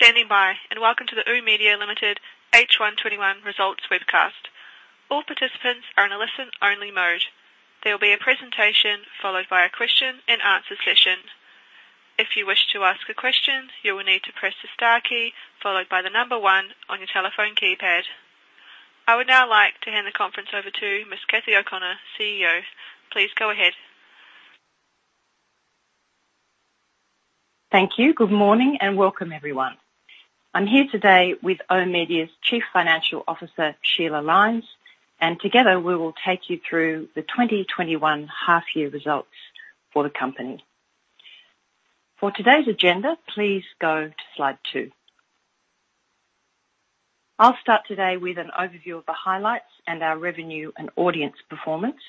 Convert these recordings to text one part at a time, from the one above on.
Thank you for standing by, and welcome to the oOh!media Limited H1 2021 results webcast. All participants are in listen-only mode. There will be a presentation, followed by a question and answer session. If you wish to ask a question, you will need to press the star key followed by the number one on your telephone keypad. I would now like to hand the conference over to Ms. Cathy O'Connor, CEO. Please go ahead. Thank you. Good morning, welcome everyone. I'm here today with oOh!media's Chief Financial Officer, Sheila Lines, together we will take you through the 2021 half-year results for the company. For today's agenda, please go to slide two. I'll start today with an overview of the highlights and our revenue and audience performance.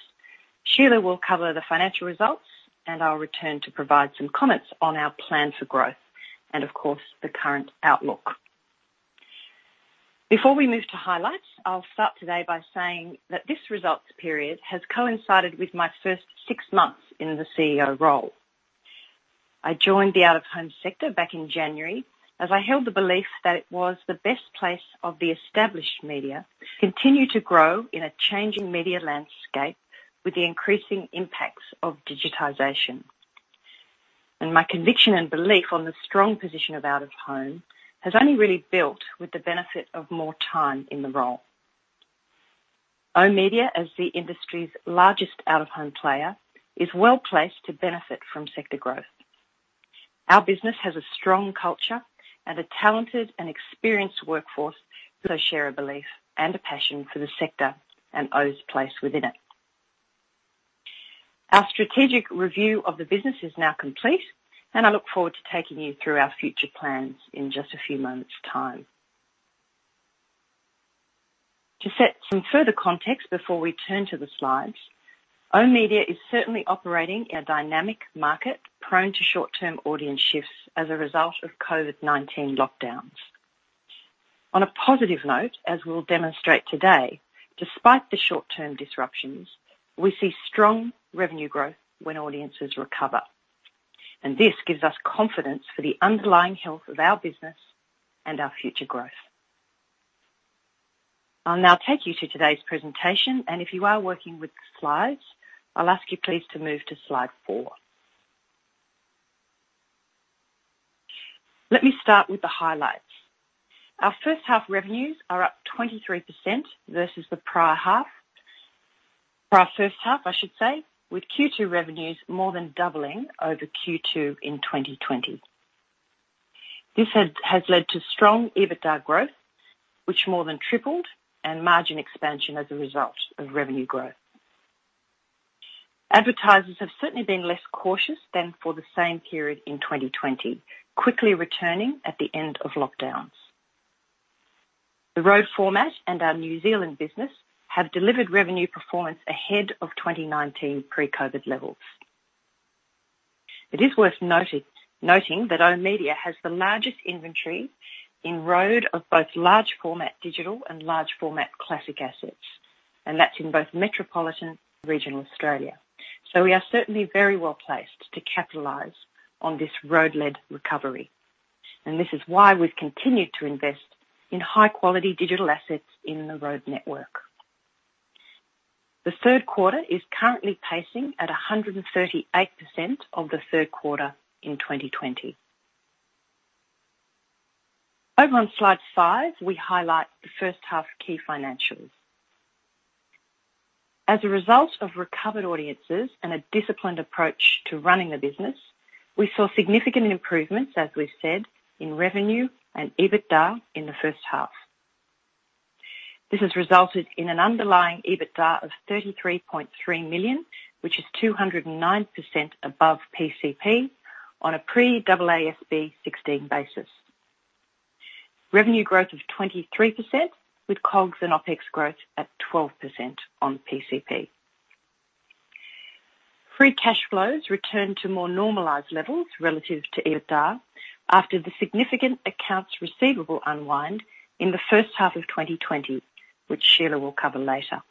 Sheila will cover the financial results, I'll return to provide some comments on our plan for growth and of course, the current outlook. Before we move to highlights, I'll start today by saying that this results period has coincided with my first 6 months in the CEO role. I joined the out-of-home sector back in January, as I held the belief that it was the best place of the established media, continue to grow in a changing media landscape with the increasing impacts of digitization. My conviction and belief on the strong position of Out of Home has only really built with the benefit of more time in the role. oOh!media, as the industry's largest Out of Home player, is well-placed to benefit from sector growth. Our business has a strong culture and a talented and experienced workforce who also share a belief and a passion for the sector and oOh!'s place within it. Our strategic review of the business is now complete, and I look forward to taking you through our future plans in just a few moments time. To set some further context before we turn to the slides, oOh!media is certainly operating in a dynamic market prone to short-term audience shifts as a result of COVID-19 lockdowns. On a positive note, as we'll demonstrate today, despite the short-term disruptions, we see strong revenue growth when audiences recover. This gives us confidence for the underlying health of our business and our future growth. I'll now take you to today's presentation, and if you are working with the slides, I'll ask you please to move to slide four. Let me start with the highlights. Our first half revenues are up 23% versus the prior half, prior first half, I should say, with Q2 revenues more than doubling over Q2 in 2020. This has led to strong EBITDA growth, which more than tripled, and margin expansion as a result of revenue growth. Advertisers have certainly been less cautious than for the same period in 2020, quickly returning at the end of lockdowns. The road format and our New Zealand business have delivered revenue performance ahead of 2019 pre-COVID levels. It is worth noting that oOh!media has the largest inventory in road of both large format digital and large format classic assets, and that's in both metropolitan regional Australia. We are certainly very well-placed to capitalize on this road-led recovery, and this is why we've continued to invest in high-quality digital assets in the road network. The third quarter is currently pacing at 138% of the third quarter in 2020. Over on slide five, we highlight the first half key financials. As a result of recovered audiences and a disciplined approach to running the business, we saw significant improvements, as we've said, in revenue and EBITDA in the first half. This has resulted in an underlying EBITDA of 33.3 million, which is 209% above PCP on a pre-AASB 16 basis. Revenue growth of 23% with COGS and OpEx growth at 12% on PCP. Free cash flows return to more normalized levels relative to EBITDA after the significant accounts receivable unwind in the first half of 2020, which Sheila will cover later.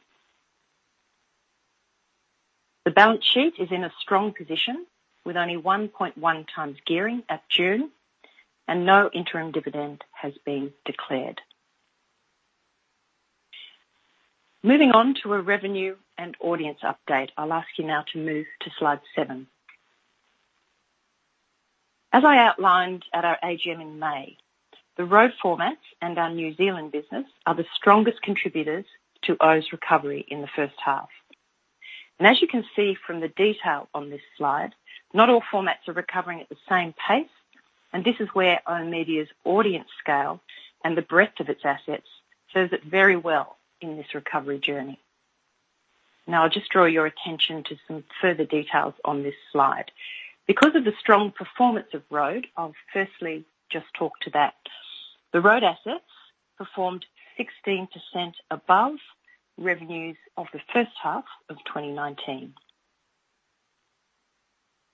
No interim dividend has been declared. The balance sheet is in a strong position with only 1.1 times gearing at June. Moving on to a revenue and audience update. I'll ask you now to move to slide seven. As I outlined at our AGM in May, the road formats and our New Zealand business are the strongest contributors to oOh!'s recovery in the first half. As you can see from the detail on this slide, not all formats are recovering at the same pace. This is where oOh!media's audience scale and the breadth of its assets serves it very well in this recovery journey. Now, I'll just draw your attention to some further details on this slide. Because of the strong performance of road, I'll firstly just talk to that. The road assets performed 16% above revenues of the first half of 2019.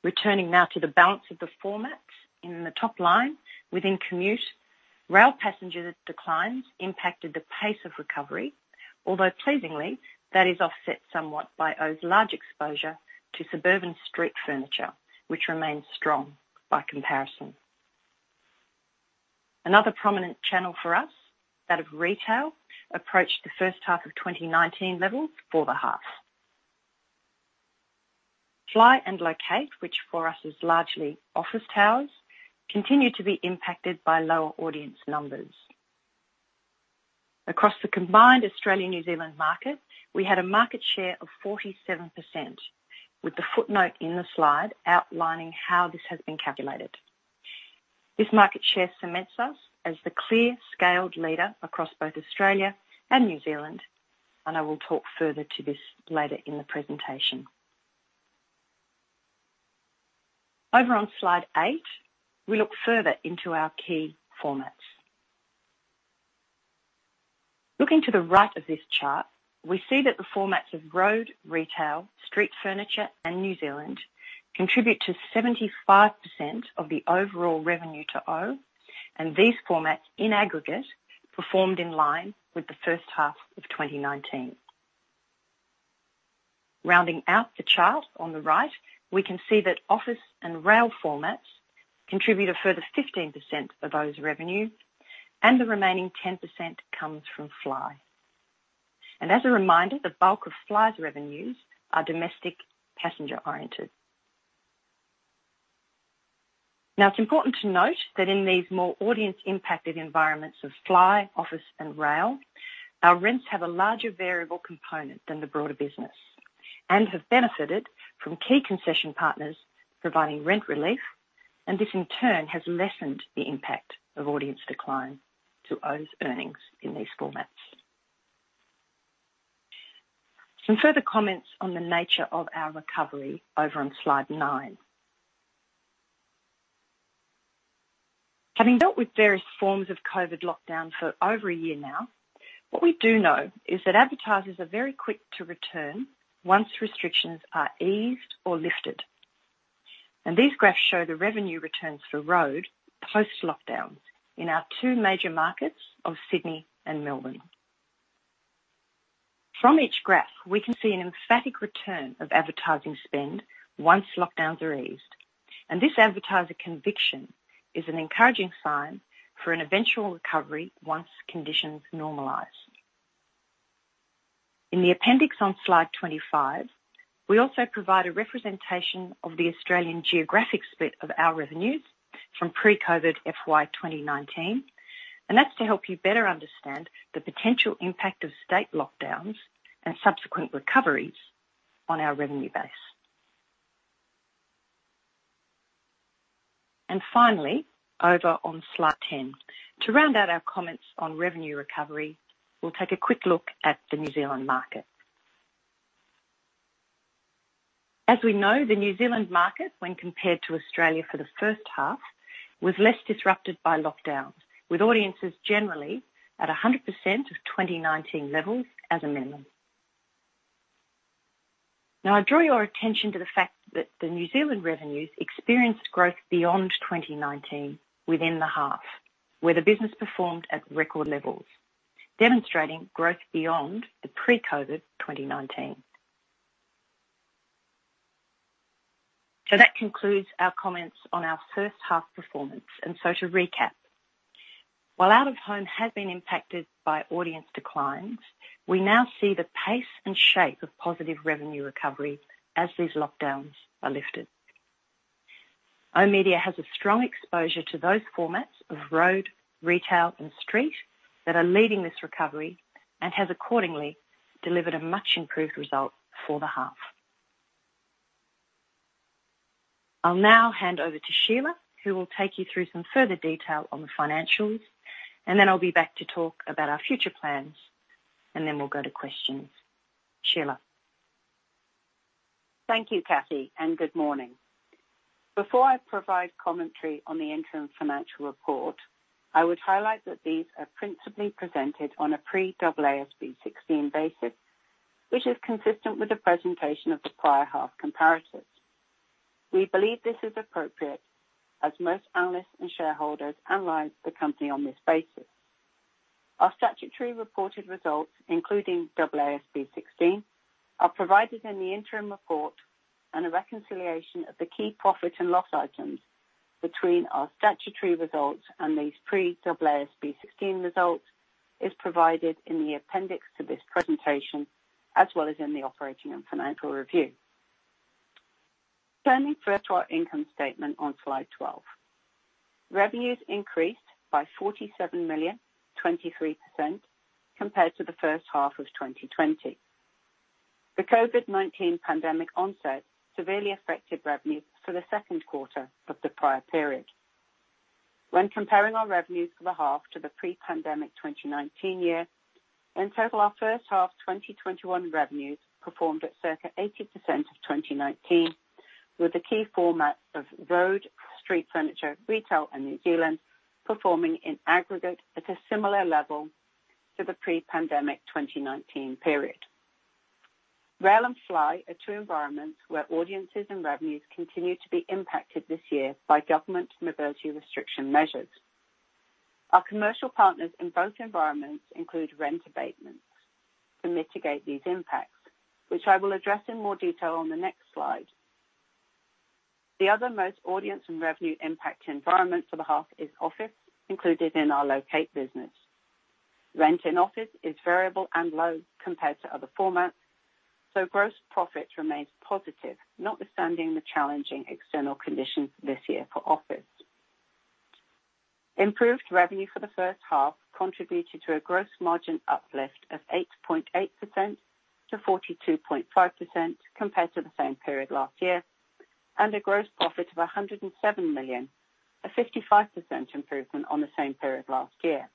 Returning now to the balance of the formats in the top line within commute-Rail passenger declines impacted the pace of recovery, although pleasingly, that is offset somewhat by oOh!'s large exposure to suburban street furniture, which remains strong by comparison. Another prominent channel for us, that of retail, approached the first half of 2019 levels for the half. Fly and locate, which for us is largely office towers, continue to be impacted by lower audience numbers. Across the combined Australian-New Zealand market, we had a market share of 47%, with the footnote in the slide outlining how this has been calculated. This market share cements us as the clear scaled leader across both Australia and New Zealand. I will talk further to this later in the presentation. Over on slide eight, we look further into our key formats. Looking to the right of this chart, we see that the formats of road, retail, street furniture, and New Zealand contribute to 75% of the overall revenue to oOh!, and these formats, in aggregate, performed in line with the first half of 2019. Rounding out the chart on the right, we can see that office and rail formats contribute a further 15% of oOh!'s revenue, and the remaining 10% comes from Fly. As a reminder, the bulk of Fly's revenues are domestic passenger-oriented. It's important to note that in these more audience-impacted environments of Fly, office, and rail, our rents have a larger variable component than the broader business, and have benefited from key concession partners providing rent relief, and this in turn has lessened the impact of audience decline to oOh!'s earnings in these formats. Some further comments on the nature of our recovery over on slide nine. Having dealt with various forms of COVID lockdown for over a year now, what we do know is that advertisers are very quick to return once restrictions are eased or lifted. These graphs show the revenue returns for road post-lockdown in our two major markets of Sydney and Melbourne. From each graph, we can see an emphatic return of advertising spend once lockdowns are eased, and this advertiser conviction is an encouraging sign for an eventual recovery once conditions normalize. In the appendix on slide 25, we also provide a representation of the Australian geographic split of our revenues from pre-COVID FY 2019, and that's to help you better understand the potential impact of state lockdowns and subsequent recoveries on our revenue base. Finally, over on slide 10. To round out our comments on revenue recovery, we'll take a quick look at the New Zealand market. As we know, the New Zealand market, when compared to Australia for the first half, was less disrupted by lockdowns, with audiences generally at 100% of 2019 levels as a minimum. I draw your attention to the fact that the New Zealand revenues experienced growth beyond 2019 within the half, where the business performed at record levels, demonstrating growth beyond the pre-COVID 2019. That concludes our comments on our first half performance. To recap, while out-of-home has been impacted by audience declines, we now see the pace and shape of positive revenue recovery as these lockdowns are lifted. oOh!media has a strong exposure to those formats of road, retail, and street that are leading this recovery and has accordingly delivered a much improved result for the half. I'll now hand over to Sheila, who will take you through some further detail on the financials, then I'll be back to talk about our future plans, and then we'll go to questions. Sheila. Thank you, Cathy, and good morning. Before I provide commentary on the interim financial report, I would highlight that these are principally presented on a pre-AASB 16 basis, which is consistent with the presentation of the prior half comparatives. We believe this is appropriate as most analysts and shareholders analyze the company on this basis. Our statutory reported results, including AASB 16, are provided in the interim report, and a reconciliation of the key profit and loss items between our statutory results and these pre-AASB 16 results is provided in the appendix to this presentation, as well as in the operating and financial review. Turning first to our income statement on slide 12. Revenues increased by 47 million, 23% compared to H1 2020. The COVID-19 pandemic onset severely affected revenues for the second quarter of the prior period. When comparing our revenues for the half to the pre-pandemic 2019 year, in total, our first half 2021 revenues performed at circa 80% of 2019, with the key formats of road, street furniture, retail, and New Zealand performing in aggregate at a similar level to the pre-pandemic 2019 period. Rail and fly are two environments where audiences and revenues continue to be impacted this year by government mobility restriction measures. Our commercial partners in both environments include rent abatements to mitigate these impacts, which I will address in more detail on the next slide. The other most audience and revenue impact environment for the half is office, included in our locate business. Rent and office is variable and low compared to other formats, so gross profit remains positive notwithstanding the challenging external conditions this year for office. Improved revenue for the first half contributed to a gross margin uplift of 8.8% to 42.5% compared to the same period last year, and a gross profit of 107 million, a 55% improvement on the same period last year.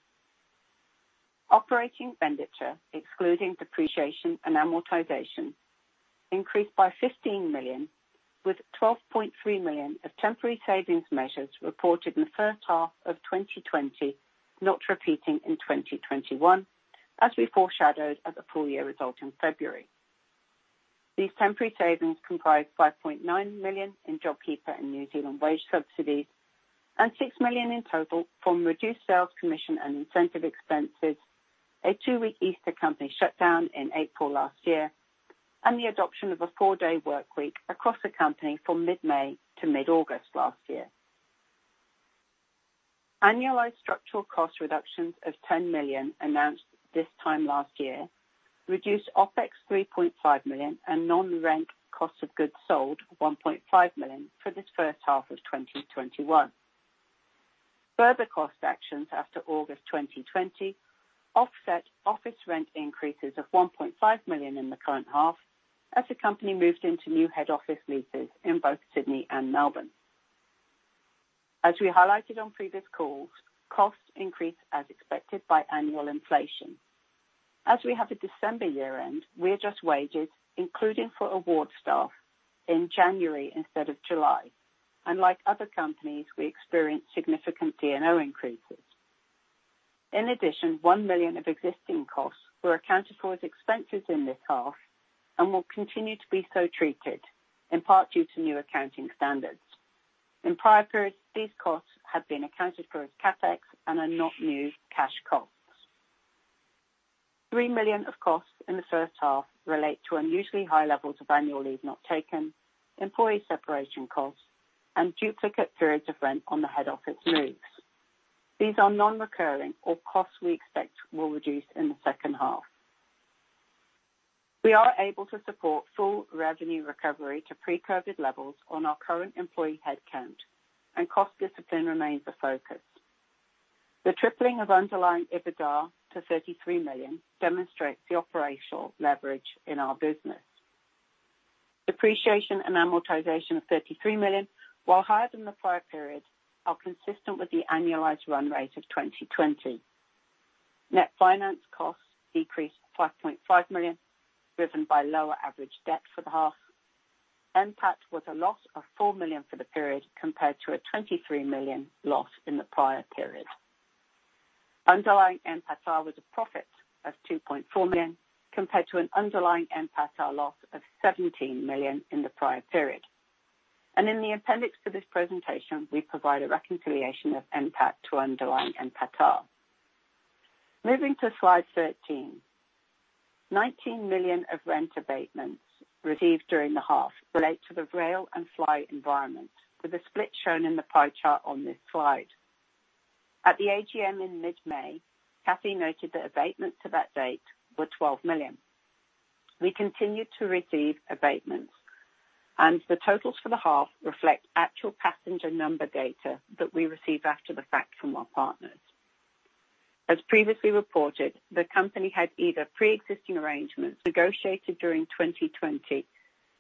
Operating expenditure, excluding depreciation and amortization, increased by 15 million, with 12.3 million of temporary savings measures reported in the first half of 2020, not repeating in 2021, as we foreshadowed at the full-year result in February. These temporary savings comprised 5.9 million in JobKeeper and New Zealand wage subsidies, and 6 million in total from reduced sales commission and incentive expenses, a two-week Easter company shutdown in April last year, and the adoption of a four-day workweek across the company from mid-May to mid-August last year. Annualized structural cost reductions of 10 million announced this time last year reduced OpEx 3.5 million and non-rent cost of goods sold 1.5 million for this first half of 2021. Further cost actions after August 2020 offset office rent increases of 1.5 million in the current half as the company moved into new head office leases in both Sydney and Melbourne. As we highlighted on previous calls, costs increased as expected by annual inflation. As we have a December year-end, we adjust wages, including for award staff, in January instead of July. Unlike other companies, we experience significant D&O increases. In addition, 1 million of existing costs were accounted for as expenses in this half and will continue to be so treated, in part due to new accounting standards. In prior periods, these costs have been accounted for as CapEx and are not new cash costs. 3 million of costs in the first half relate to unusually high levels of annual leave not taken, employee separation costs, and duplicate periods of rent on the head office moves. These are non-recurring or costs we expect will reduce in the second half. We are able to support full revenue recovery to pre-COVID levels on our current employee headcount, and cost discipline remains a focus. The tripling of underlying EBITDA to 33 million demonstrates the operational leverage in our business. Depreciation and amortization of 33 million, while higher than the prior period, are consistent with the annualized run rate of 2020. Net finance costs decreased to 5.5 million, driven by lower average debt for the half. NPAT was a loss of 4 million for the period compared to a 23 million loss in the prior period. Underlying NPAT was a profit of 2.4 million compared to an underlying NPAT loss of 17 million in the prior period. In the appendix for this presentation, we provide a reconciliation of NPAT to underlying NPAT. Moving to slide 13. 19 million of rent abatements received during the half relate to the rail and fly environment, with a split shown in the pie chart on this slide. At the AGM in mid-May, Cathy O'Connor noted that abatements to that date were 12 million. We continued to receive abatements, and the totals for the half reflect actual passenger number data that we received after the fact from our partners. As previously reported, the company had either pre-existing arrangements negotiated during 2020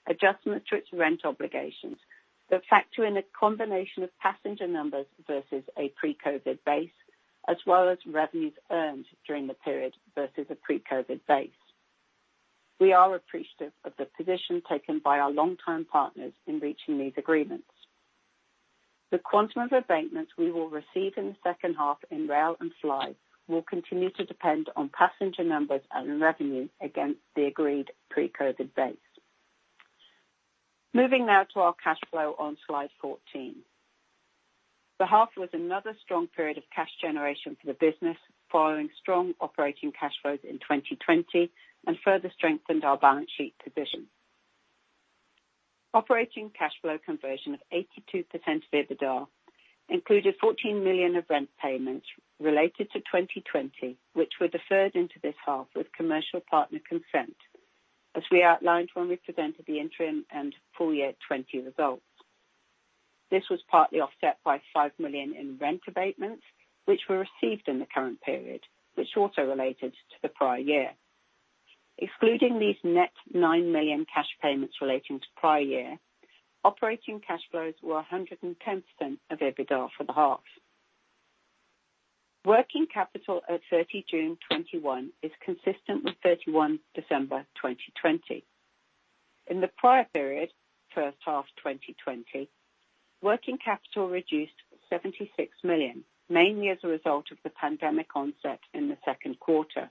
adjustment to its rent obligations that factor in a combination of passenger numbers versus a pre-COVID base, as well as revenues earned during the period versus a pre-COVID base. We are appreciative of the position taken by our long-term partners in reaching these agreements. The quantum of abatements we will receive in the second half in rail and fly will continue to depend on passenger numbers and revenue against the agreed pre-COVID base. Moving now to our cash flow on slide 14. The half was another strong period of cash generation for the business following strong operating cash flows in 2020 and further strengthened our balance sheet position. Operating cash flow conversion of 82% of EBITDA included 14 million of rent payments related to 2020, which were deferred into this half with commercial partner consent as we outlined when we presented the interim and full year 2020 results. This was partly offset by 5 million in rent abatements, which were received in the current period, which also related to the prior year. Excluding these net 9 million cash payments relating to prior year, operating cash flows were 110% of EBITDA for the half. Working capital at June 30, 2021 is consistent with December 31, 2020. In the prior period, first half 2020, working capital reduced 76 million, mainly as a result of the pandemic onset in the second quarter.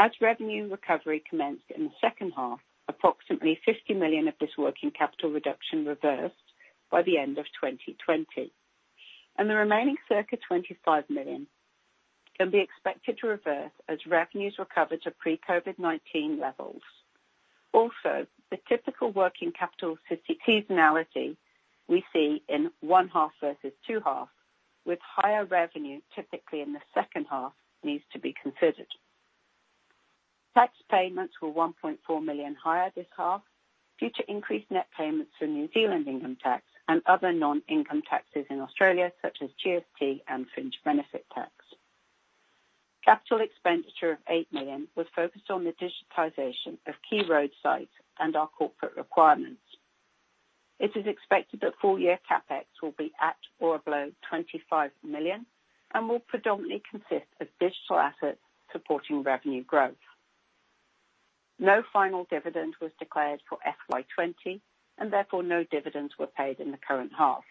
As revenue recovery commenced in the second half, approximately 50 million of this working capital reduction reversed by the end of 2020, and the remaining circa 25 million can be expected to reverse as revenues recover to pre-COVID-19 levels. Also, the typical working capital seasonality we see in one half versus two halves, with higher revenue typically in the second half, needs to be considered. Tax payments were 1.4 million higher this half due to increased net payments from New Zealand income tax and other non-income taxes in Australia, such as GST and fringe benefit tax. Capital expenditure of 8 million was focused on the digitization of key road sites and our corporate requirements. It is expected that full-year CapEx will be at or below 25 million and will predominantly consist of digital assets supporting revenue growth. No final dividend was declared for FY 2020, and therefore, no dividends were paid in the current half.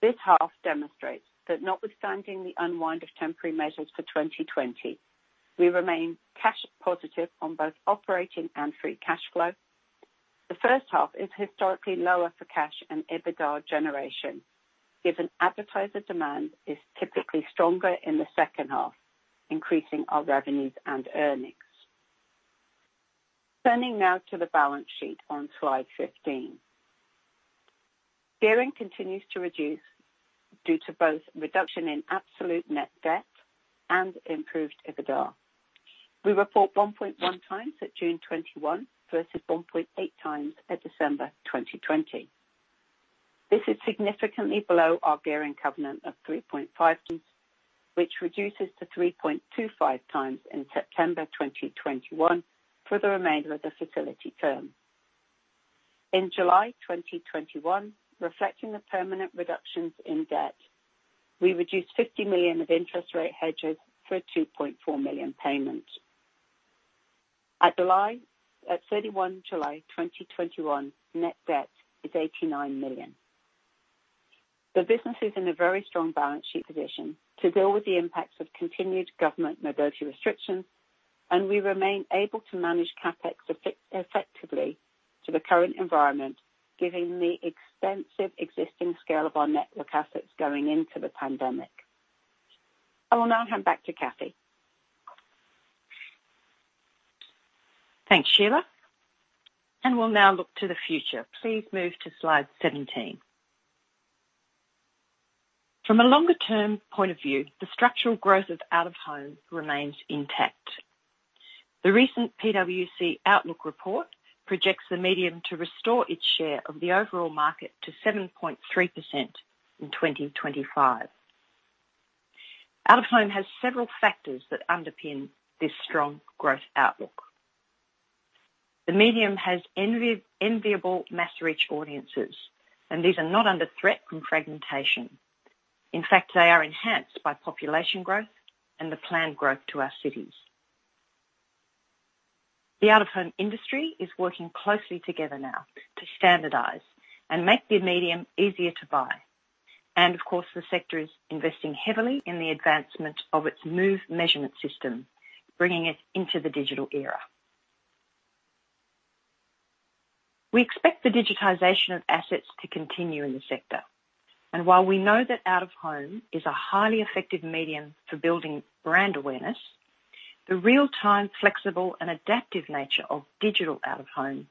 This half demonstrates that notwithstanding the unwind of temporary measures for 2020, we remain cash positive on both operating and free cash flow. The first half is historically lower for cash and EBITDA generation, given advertiser demand is typically stronger in the second half, increasing our revenues and earnings. Turning now to the balance sheet on slide 15. Gearing continues to reduce due to both reduction in absolute net debt and improved EBITDA. We report 1.1 times at June 2021 versus 1.8 times at December 2020. This is significantly below our gearing covenant of 3.5 times, which reduces to 3.25 times in September 2021 for the remainder of the facility term. In July 2021, reflecting the permanent reductions in debt, we reduced 50 million of interest rate hedges for a 2.4 million payment. At 31 July 2021, net debt is 89 million. The business is in a very strong balance sheet position to deal with the impacts of continued government mobility restrictions, and we remain able to manage CapEx effectively to the current environment, given the extensive existing scale of our network assets going into the pandemic. I will now hand back to Cathy. Thanks, Sheila. We'll now look to the future. Please move to slide 17. From a longer-term point of view, the structural growth of out-of-home remains intact. The recent PwC Outlook report projects the medium to restore its share of the overall market to 7.3% in 2025. Out-of-home has several factors that underpin this strong growth outlook. The medium has enviable mass-reach audiences, and these are not under threat from fragmentation. In fact, they are enhanced by population growth and the planned growth to our cities. The out-of-home industry is working closely together now to standardize and make the medium easier to buy. Of course, the sector is investing heavily in the advancement of its MOVE measurement system, bringing it into the digital era. We expect the digitization of assets to continue in the sector. While we know that out-of-home is a highly effective medium for building brand awareness, the real-time, flexible, and adaptive nature of digital out-of-home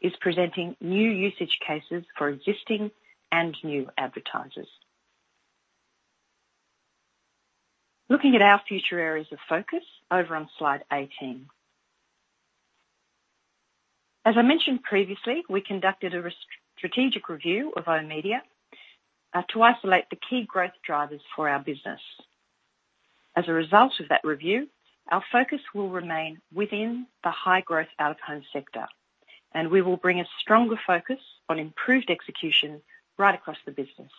is presenting new usage cases for existing and new advertisers. Looking at our future areas of focus over on slide 18. As I mentioned previously, we conducted a strategic review of oOh!media to isolate the key growth drivers for our business. As a result of that review, our focus will remain within the high-growth out-of-home sector, and we will bring a stronger focus on improved execution right across the business.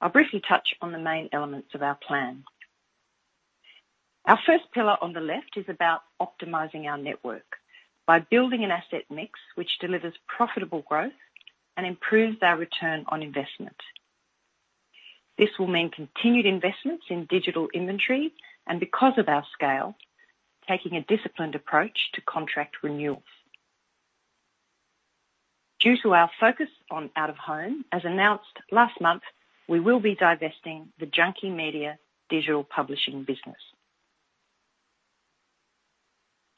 I will briefly touch on the main elements of our plan. Our first pillar on the left is about optimizing our network by building an asset mix which delivers profitable growth and improves our return on investment. This will mean continued investments in digital inventory, and because of our scale, taking a disciplined approach to contract renewals. Due to our focus on out-of-home, as announced last month, we will be divesting the Junkee Media digital publishing business.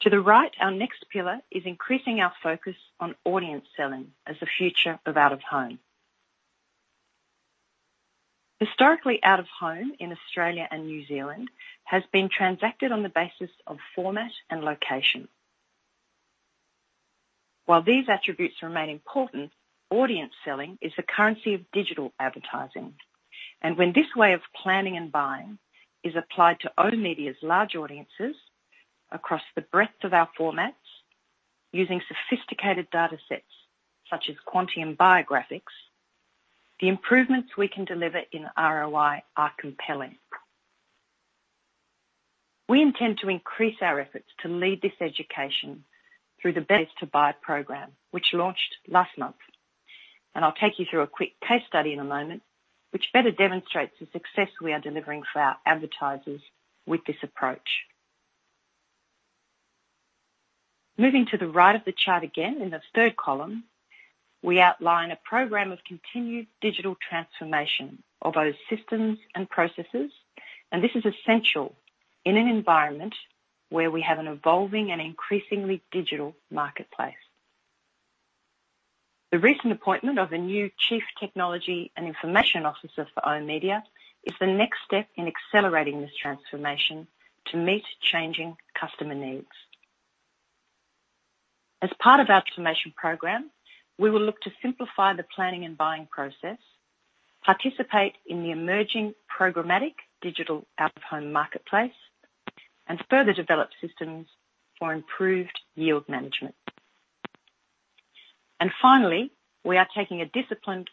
To the right, our next pillar is increasing our focus on audience selling as the future of out-of-home. Historically, out-of-home in Australia and New Zealand has been transacted on the basis of format and location. While these attributes remain important, audience selling is the currency of digital advertising. When this way of planning and buying is applied to oOh!media's large audiences across the breadth of our formats, using sophisticated data sets such as Quantium Buyergraphics, the improvements we can deliver in ROI are compelling. We intend to increase our efforts to lead this education through the Best to Buy program, which launched last month. I'll take you through a quick case study in a moment, which better demonstrates the success we are delivering for our advertisers with this approach. Moving to the right of the chart again, in the third column, we outline a program of continued digital transformation of those systems and processes. This is essential in an environment where we have an evolving and increasingly digital marketplace. The recent appointment of a new chief technology and information officer for oOh!media is the next step in accelerating this transformation to meet changing customer needs. As part of our transformation program, we will look to simplify the planning and buying process, participate in the emerging programmatic digital out-of-home marketplace, and further develop systems for improved yield management. Finally, we are taking a disciplined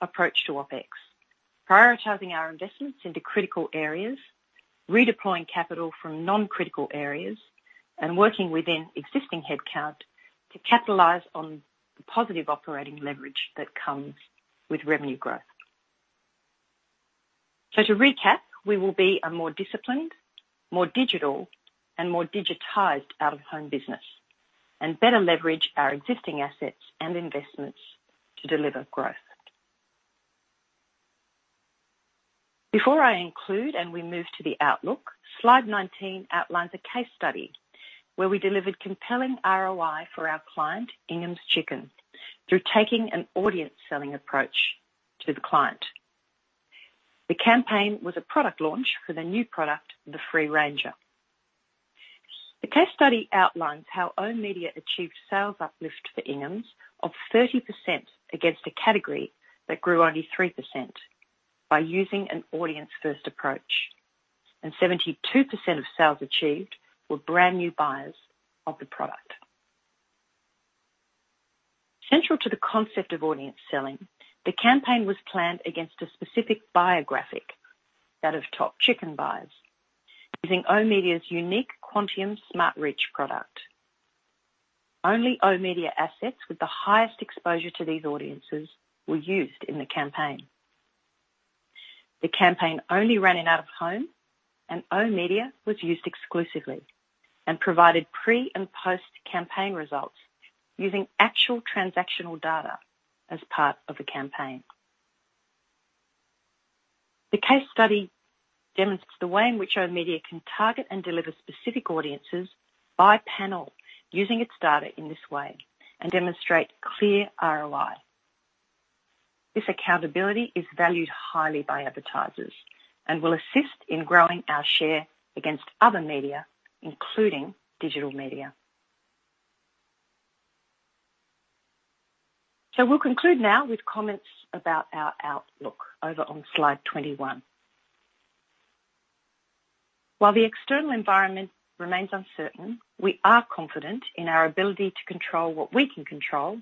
approach to OpEx, prioritizing our investments into critical areas, redeploying capital from non-critical areas, and working within existing headcount to capitalize on the positive operating leverage that comes with revenue growth. To recap, we will be a more disciplined, more digital, and more digitized out-of-home business and better leverage our existing assets and investments to deliver growth. Before I include and we move to the outlook, slide 19 outlines a case study where we delivered compelling ROI for our client, Ingham's Chicken, through taking an audience-selling approach to the client. The campaign was a product launch for the new product, the Free Ranger. The case study outlines how oOh!media achieved sales uplift for Ingham's of 30% against a category that grew only 3% by using an audience-first approach. 72% of sales achieved were brand-new buyers of the product. Central to the concept of audience selling, the campaign was planned against a specific Buyergraphics, that of top chicken buyers, using oOh!media's unique Quantium Smart Reach product. Only oOh!media assets with the highest exposure to these audiences were used in the campaign. The campaign only ran in out of home, and oOh!media was used exclusively and provided pre- and post-campaign results using actual transactional data as part of the campaign. The case study demonstrates the way in which oOh!media can target and deliver specific audiences by panel using its data in this way and demonstrate clear ROI. This accountability is valued highly by advertisers and will assist in growing our share against other media, including digital media. We'll conclude now with comments about our outlook over on slide 21. While the external environment remains uncertain, we are confident in our ability to control what we can control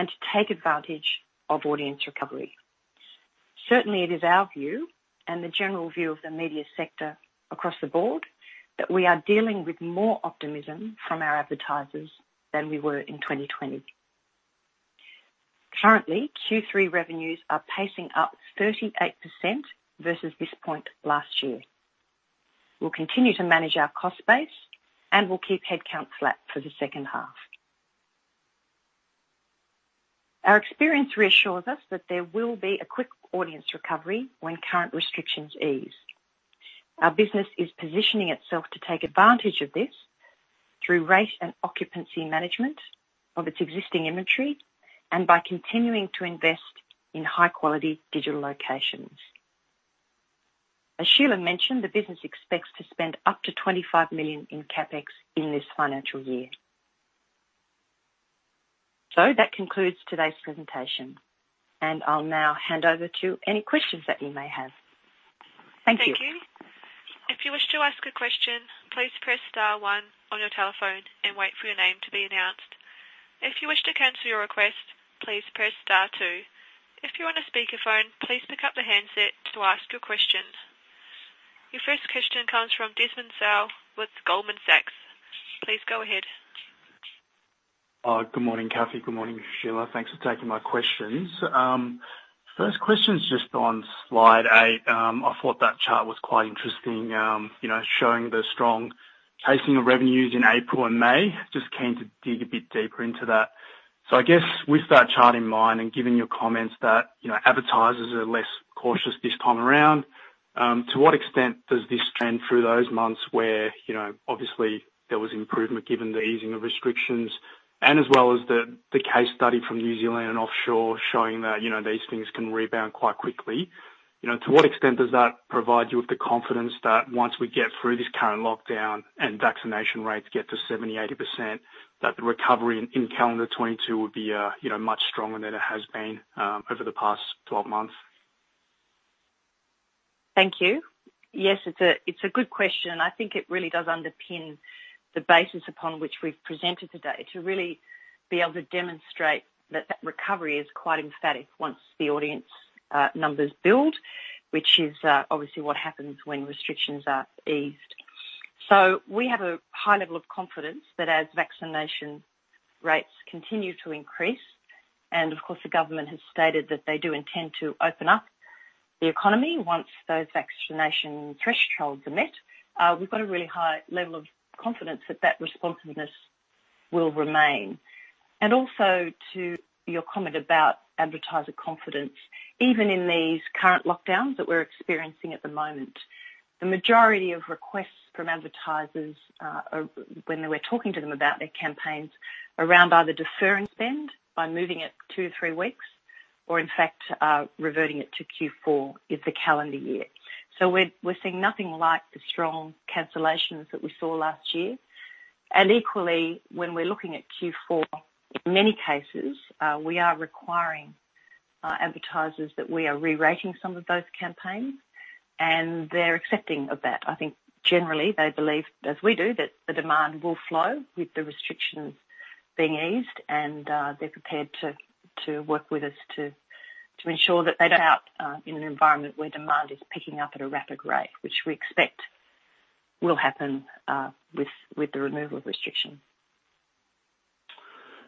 and to take advantage of audience recovery. Certainly, it is our view and the general view of the media sector across the board that we are dealing with more optimism from our advertisers than we were in 2020. Currently, Q3 revenues are pacing up 38% versus this point last year. We'll continue to manage our cost base, and we'll keep headcount flat for the second half. Our experience reassures us that there will be a quick audience recovery when current restrictions ease. Our business is positioning itself to take advantage of this through race and occupancy management of its existing inventory and by continuing to invest in high-quality digital locations. As Sheila mentioned, the business expects to spend up to 25 million in CapEx in this financial year. That concludes today's presentation, and I'll now hand over to any questions that you may have. Thank you. Thank you. If you wish to ask a question, please press star one on your telephone and wait for your name to be announced. If you wish to cancel your request, please press star two. If you're on a speakerphone, please pick up the handset to ask your question. Your first question comes from Desmond Sow with Goldman Sachs. Please go ahead. Good morning, Cathy. Good morning, Sheila. Thanks for taking my questions. First question is just on slide eight. I thought that chart was quite interesting showing the strong pacing of revenues in April and May. Keen to dig a bit deeper into that. I guess with that chart in mind and given your comments that advertisers are less cautious this time around, to what extent does this trend through those months where obviously there was improvement given the easing of restrictions and as well as the case study from New Zealand and offshore showing that these things can rebound quite quickly? To what extent does that provide you with the confidence that once we get through this current lockdown and vaccination rates get to 70%, 80%, that the recovery in calendar 2022 will be much stronger than it has been over the past 12 months? Thank you. Yes, it's a good question. I think it really does underpin the basis upon which we've presented today to really be able to demonstrate that that recovery is quite emphatic once the audience numbers build, which is obviously what happens when restrictions are eased. We have a high level of confidence that as vaccination rates continue to increase, of course, the government has stated that they do intend to open up the economy once those vaccination thresholds are met. We've got a really high level of confidence that that responsiveness will remain. Also to your comment about advertiser confidence, even in these current lockdowns that we're experiencing at the moment, the majority of requests from advertisers, when we're talking to them about their campaigns, around either deferring spend by moving it two, three weeks, or in fact, reverting it to Q4 of the calendar year. We're seeing nothing like the strong cancellations that we saw last year. Equally, when we're looking at Q4, in many cases, we are requiring advertisers that we are re-rating some of those campaigns, and they're accepting of that. I think generally they believe, as we do, that the demand will flow with the restrictions being eased, and they're prepared to work with us to ensure that they don't miss out in an environment where demand is picking up at a rapid rate, which we expect will happen with the removal of restrictions.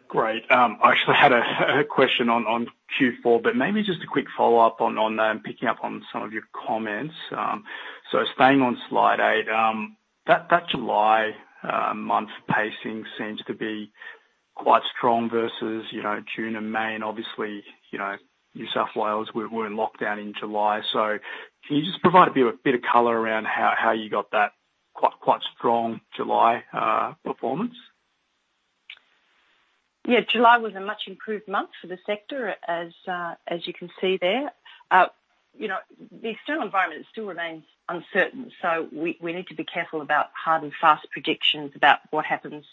Great. I actually had a question on Q4, but maybe just a quick follow-up on picking up on some of your comments. Staying on slide eight, that July month pacing seems to be quite strong versus June and May. Obviously, New South Wales were in lockdown in July, so can you just provide a bit of color around how you got that quite strong July performance? July was a much improved month for the sector, as you can see there. The external environment still remains uncertain, so we need to be careful about hard and fast predictions about what happens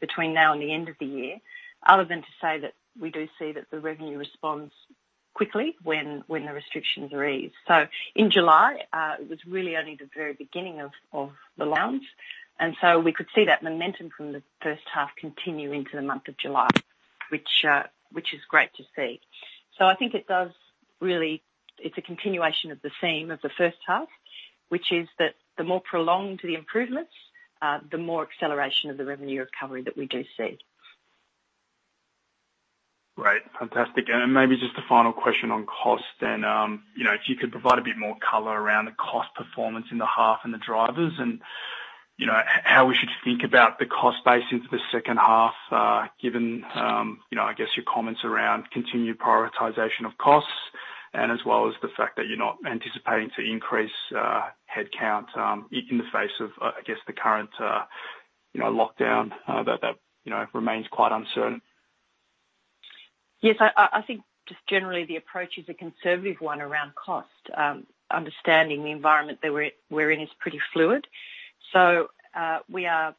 between now and the end of the year, other than to say that we do see that the revenue responds quickly when the restrictions are eased. In July, it was really only the very beginning of the reopening, and so we could see that momentum from the first half continue into the month of July, which is great to see. I think it's a continuation of the theme of the first half, which is that the more prolonged the improvements are, the more acceleration of the revenue recovery that we do see. Great. Fantastic. Maybe just a final question on cost then? If you could provide a bit more color around the cost performance in the half and the drivers, and how we should think about the cost base into the second half given, I guess, your comments around continued prioritization of costs and as well as the fact that you're not anticipating to increase headcount in the face of, I guess, the current lockdown, that remains quite uncertain? Yes. I think just generally the approach is a conservative one around cost. Understanding the environment that we're in is pretty fluid. We are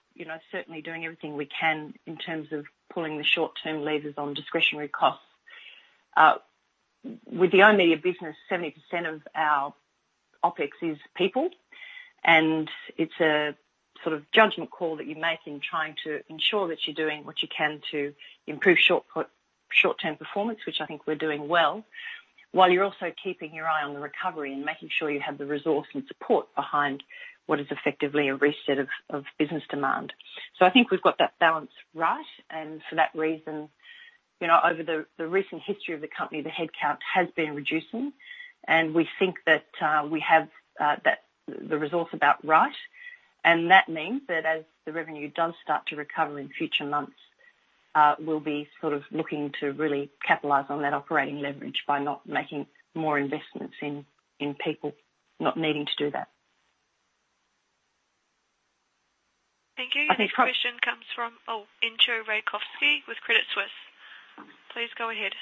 certainly doing everything we can in terms of pulling the short-term levers on discretionary costs. With the oOh!media business, 70% of our OpEx is people, and it's a sort of judgment call that you make in trying to ensure that you're doing what you can to improve short-term performance, which I think we're doing well, while you're also keeping your eye on the recovery and making sure you have the resource and support behind what is effectively a reset of business demand. I think we've got that balance right, and for that reason, over the recent history of the company, the headcount has been reducing, and we think that we have the resource about right. That means that as the revenue does start to recover in future months, we'll be sort of looking to really capitalize on that operating leverage by not making more investments in people, not needing to do that. Thank you. I think- Next question comes from Entcho Raykovski with Credit Suisse. Please go ahead.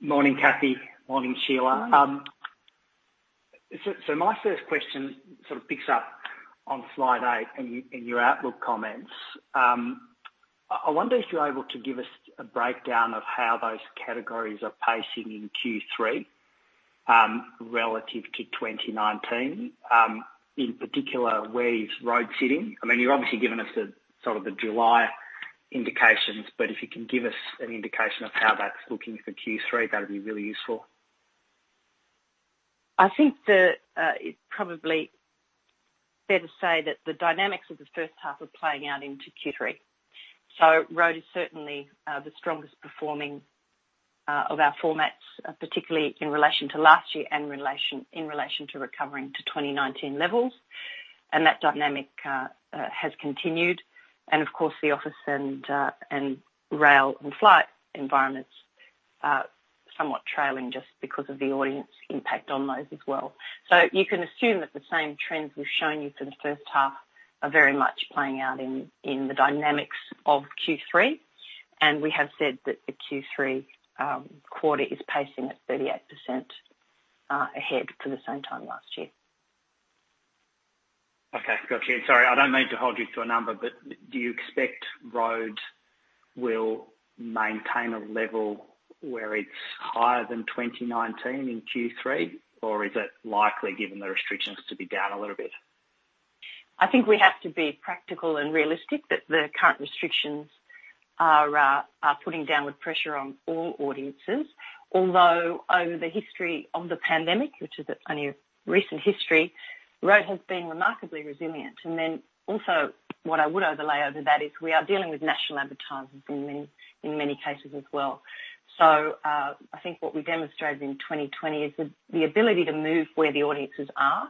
Morning, Cathy. Morning, Sheila. Morning. My first question sort of picks up on slide eight in your outlook comments. I wonder if you're able to give us a breakdown of how those categories are pacing in Q3, relative to 2019. In particular, where is road sitting? I mean, you're obviously giving us the sort of the July indications, but if you can give us an indication of how that's looking for Q3, that'd be really useful. I think that it's probably fair to say that the dynamics of the first half are playing out into Q3. Road is certainly the strongest performing of our formats, particularly in relation to last year and in relation to recovering to 2019 levels. That dynamic has continued, and of course, the office and rail and flight environments are somewhat trailing just because of the audience impact on those as well. You can assume that the same trends we've shown you for the first half are very much playing out in the dynamics of Q3. We have said that the Q3 quarter is pacing at 38% ahead for the same time last year. Okay. Got you. Sorry, I don't mean to hold you to a number, do you expect road will maintain a level where it's higher than 2019 in Q3? Is it likely, given the restrictions, to be down a little bit? I think we have to be practical and realistic that the current restrictions are putting downward pressure on all audiences. Although over the history of the pandemic, which is only recent history, road has been remarkably resilient. Then also what I would overlay over that is we are dealing with national advertisers in many cases as well. I think what we demonstrated in 2020 is the ability to move where the audiences are.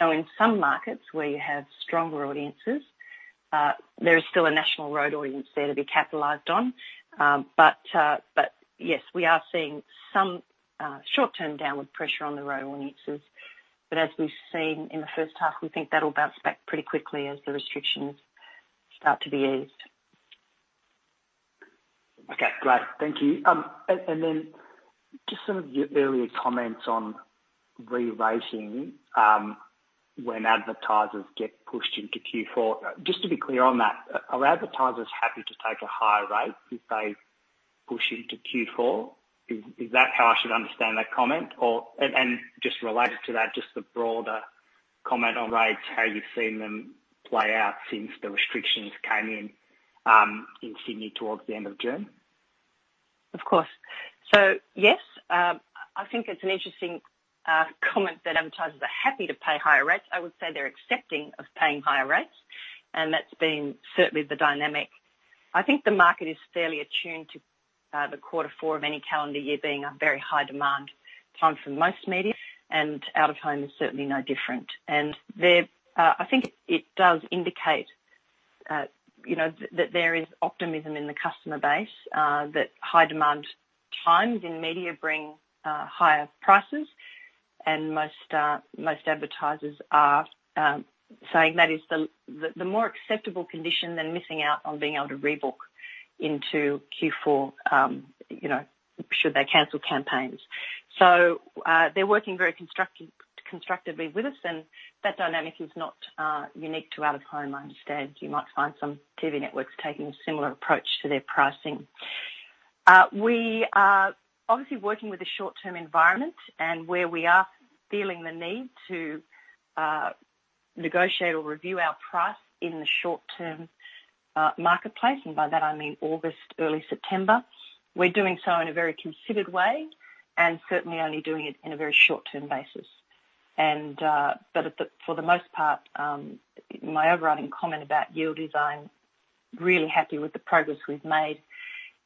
In some markets where you have stronger audiences, there is still a national road audience there to be capitalized on. Yes, we are seeing some short-term downward pressure on the road audiences. As we've seen in the first half, we think that'll bounce back pretty quickly as the restrictions start to be eased. Okay, great. Thank you. Just some of your earlier comments on re-rating, when advertisers get pushed into Q4. Just to be clear on that, are advertisers happy to take a higher rate if they push into Q4? Is that how I should understand that comment? Just related to that, just the broader comment on rates, how you've seen them play out since the restrictions came in Sydney towards the end of June. Of course. Yes, I think it's an interesting comment that advertisers are happy to pay higher rates. I would say they're accepting of paying higher rates, and that's been certainly the dynamic. I think the market is fairly attuned to the quarter four of any calendar year being a very high-demand time for most media, and out-of-home is certainly no different. I think it does indicate that there is optimism in the customer base, that high-demand times in media bring higher prices, and most advertisers are saying that is the more acceptable condition than missing out on being able to rebook into Q4 should they cancel campaigns. They're working very constructively with us, and that dynamic is not unique to out-of-home. I understand you might find some TV networks taking a similar approach to their pricing. We are obviously working with a short-term environment, and where we are feeling the need to negotiate or review our price in the short-term marketplace, and by that I mean August, early September, we're doing so in a very considered way, and certainly only doing it in a very short-term basis. For the most part, my overriding comment about yield is I'm really happy with the progress we've made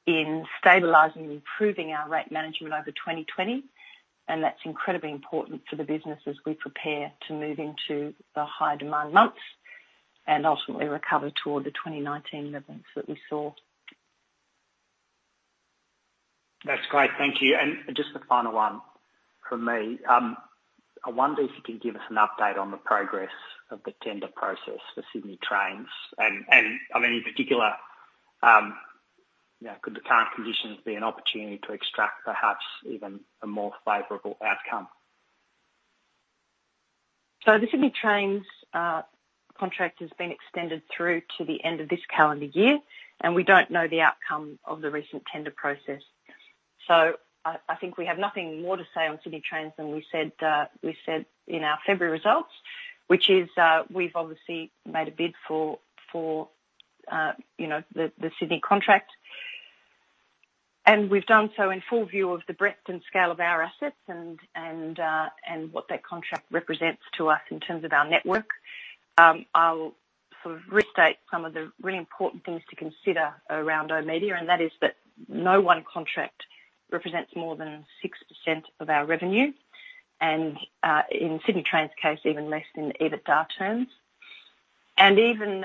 in stabilizing and improving our rate management over 2020, and that's incredibly important for the business as we prepare to move into the high-demand months and ultimately recover toward the 2019 levels that we saw. That's great. Thank you. Just the final one from me. I wonder if you can give us an update on the progress of the tender process for Sydney Trains, and in particular, could the current conditions be an opportunity to extract perhaps even a more favorable outcome? The Sydney Trains contract has been extended through to the end of this calendar year. We don't know the outcome of the recent tender process. I think we have nothing more to say on Sydney Trains than we said in our February results, which is we've obviously made a bid for the Sydney contract, and we've done so in full view of the breadth and scale of our assets and what that contract represents to us in terms of our network. I'll restate some of the really important things to consider around oOh!media, and that is that no one contract represents more than 6% of our revenue, and in Sydney Trains case, even less in EBITDA terms. Even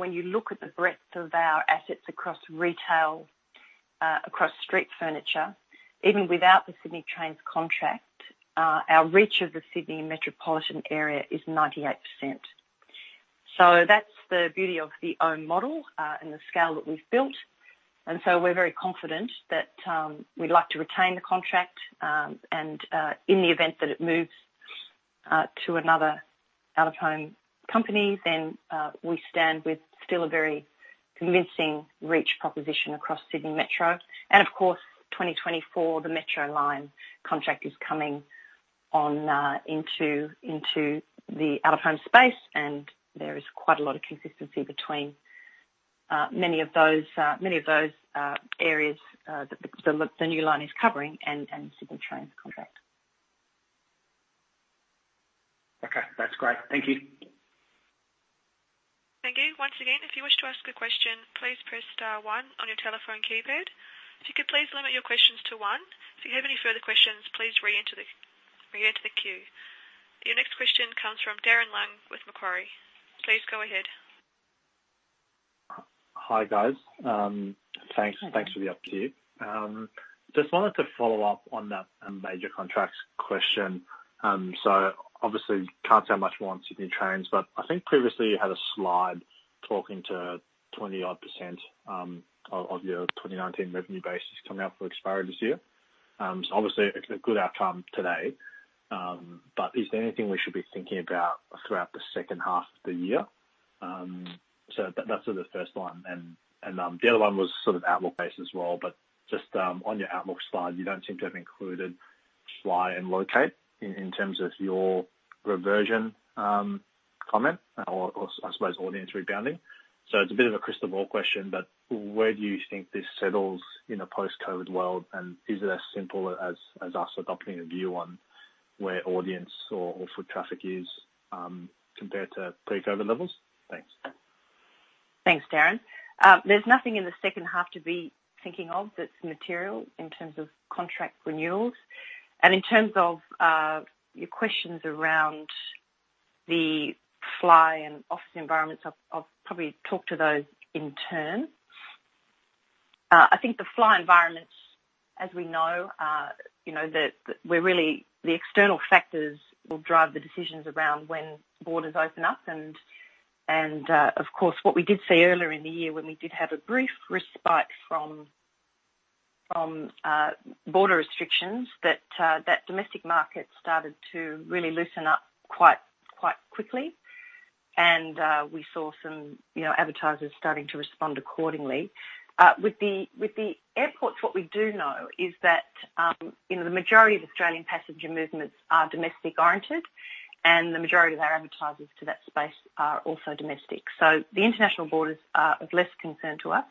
when you look at the breadth of our assets across retail, across street furniture, even without the Sydney Trains contract, our reach of the Sydney metropolitan area is 98%. That's the beauty of the oOh! model and the scale that we've built, we're very confident that we'd like to retain the contract, and in the event that it moves to another out-of-home company, then we stand with still a very convincing reach proposition across Sydney Metro. Of course, 2024, the Metro line contract is coming into the out-of-home space, and there is quite a lot of consistency between many of those areas that the new line is covering and Sydney Trains contract. Okay. That's great. Thank you. Thank you. Once again, if you wish to ask a question, please press star one on your telephone keypad. If you could please limit your questions to 1. If you have any further questions, please re-enter the queue. Your next question comes from Darren Leung with Macquarie. Please go ahead. Hi, guys. Thanks for the update. Just wanted to follow up on that major contracts question. Obviously, can't say much more on Sydney Trains, but I think previously you had a slide talking to 20-odd% of your 2019 revenue base is coming up for expiry this year. Obviously, it's a good outcome today. Is there anything we should be thinking about throughout the second half of the year? That's the first one, and the other one was sort of outlook-based as well, but just on your outlook slide, you don't seem to have included Fly and Locate in terms of your reversion comment, or I suppose audience rebounding. It's a bit of a crystal ball question, but where do you think this settles in a post-COVID world? Is it as simple as us adopting a view on where audience or foot traffic is, compared to pre-COVID levels? Thanks. Thanks, Darren. There's nothing in the second half to be thinking of that's material in terms of contract renewals. In terms of your questions around the Fly and office environments, I'll probably talk to those in turn. I think the Fly environments, as we know, the external factors will drive the decisions around when borders open up, and of course, what we did see earlier in the year when we did have a brief respite from border restrictions, that domestic market started to really loosen up quite quickly. We saw some advertisers starting to respond accordingly. With the airports, what we do know is that the majority of Australian passenger movements are domestically oriented, and the majority of our advertisers to that space are also domestic. The international borders are of less concern to us,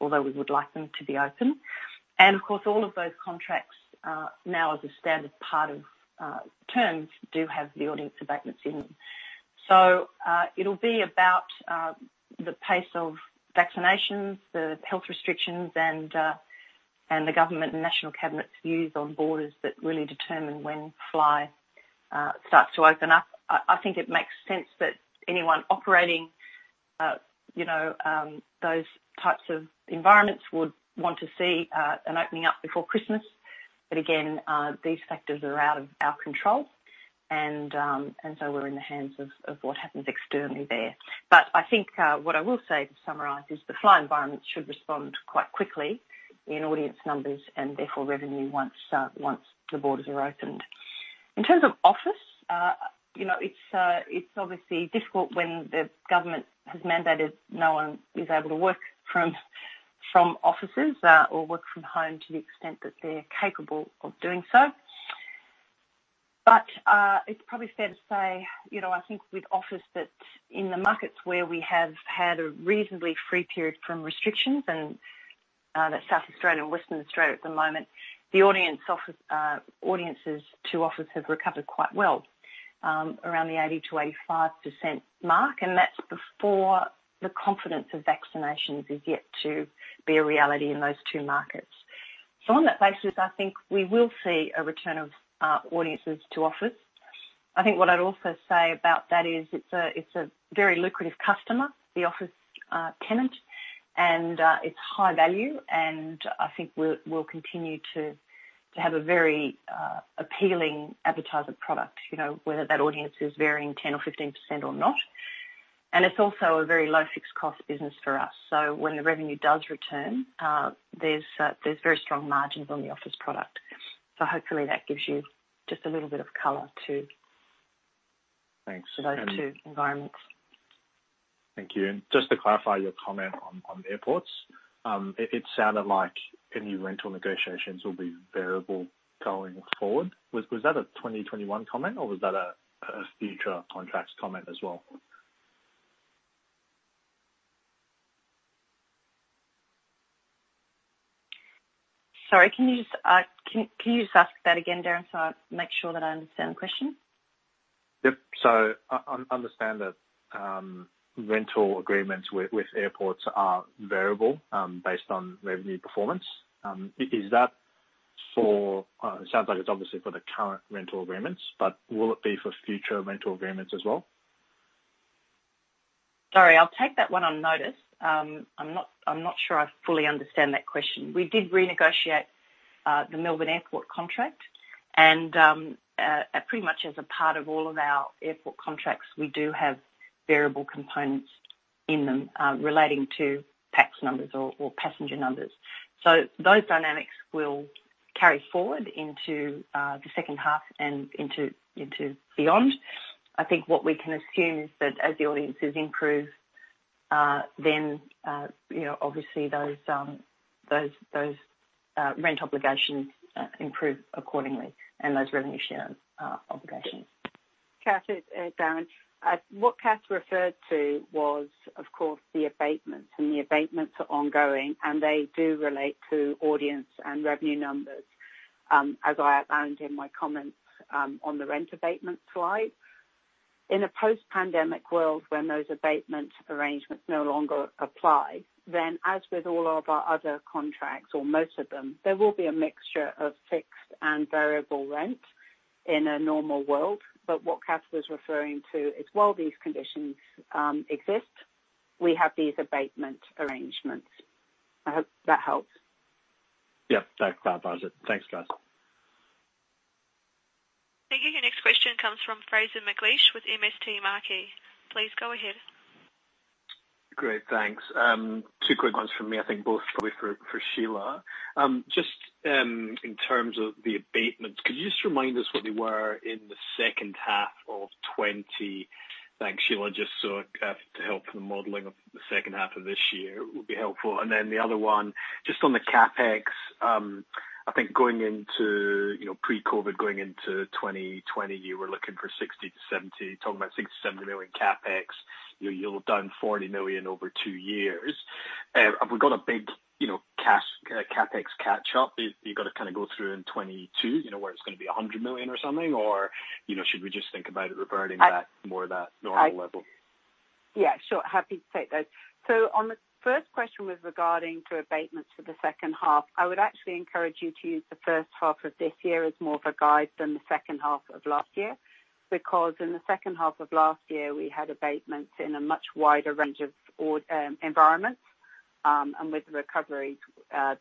although we would like them to be open. Of course, all of those contracts are now as a standard part of terms, do have the audience abatements in them. It'll be about the pace of vaccinations, the health restrictions, and the government and national cabinet's views on borders that really determine when Fly starts to open up. I think it makes sense that anyone operating those types of environments would want to see an opening up before Christmas. Again, these factors are out of our control. We're in the hands of what happens externally there. I think what I will say to summarize is the Fly environment should respond quite quickly in audience numbers, and therefore revenue once the borders are opened. In terms of office, it's obviously difficult when the government has mandated no one is able to work from offices or work from home to the extent that they're capable of doing so. It's probably fair to say, I think with office that in the markets where we have had a reasonably free period from restrictions, and that's South Australia and Western Australia at the moment, the audiences to office have recovered quite well, around the 80%-85% mark, and that's before the confidence of vaccinations is yet to be a reality in those two markets. On that basis, I think we will see a return of audiences to office. I think what I'd also say about that is it's a very lucrative customer, the office tenant, and it's high value, and I think we'll continue to have a very appealing advertiser product, whether that audience is varying 10% or 15% or not. And it's also a very low fixed cost business for us. When the revenue does return, there's very strong margins on the office product. Hopefully that gives you just a little bit of color to- Thanks -those two environments. Thank you. Just to clarify your comment on airports, it sounded like any rental negotiations will be variable going forward. Was that a 2021 comment, or was that a future contracts comment as well? Sorry, can you just ask that again, Darren, so I make sure that I understand the question? Yep. I understand that rental agreements with airports are variable based on revenue performance. It sounds like it is obviously for the current rental agreements, but will it be for future rental agreements as well? Sorry. I'll take that one on notice. I'm not sure I fully understand that question. We did renegotiate the Melbourne Airport contract, and pretty much as a part of all of our airport contracts, we do have variable components in them relating to pax numbers or passenger numbers. Those dynamics will carry forward into the second half and into beyond. I think what we can assume is that as the audiences improve, then obviously those rent obligations improve accordingly, and those revenue share obligations. Darren, what Cath referred to was, of course, the abatements, and the abatements are ongoing, and they do relate to audience and revenue numbers, as I outlined in my comments on the rent abatement slide. In a post-pandemic world where those abatement arrangements no longer apply, then as with all of our other contracts, or most of them, there will be a mixture of fixed and variable rent in a normal world. What Cath was referring to is while these conditions exist, we have these abatement arrangements. I hope that helps. Yep. That clarifies it. Thanks, Cath. Thank you. Your next question comes from Fraser McLeish with MST Marquee. Please go ahead. Great. Thanks. Two quick ones from me, I think both probably for Sheila. Just in terms of the abatements, could you just remind us what they were in the second half of 2020? Thanks, Sheila. Just so to help the modeling of the second half of this year would be helpful. The other one, just on the CapEx, I think going into pre-COVID, going into 2020, you were looking for 60-70, talking about 60 million-70 million CapEx. You're down 40 million over 2 years. Have we got a big CapEx catch-up that you've got to kind of go through in 2022, where it's going to be 100 million or something? Should we just think about it reverting back more that normal level? Yeah, sure. Happy to take those. On the first question regarding to abatements for the second half, I would actually encourage you to use the first half of this year as more of a guide than the second half of last year, because in the second half of last year, we had abatements in a much wider range of environments. With the recovery,